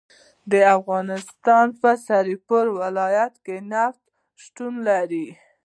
د افغانستان په سرپل ولایت کې نفت شتون لري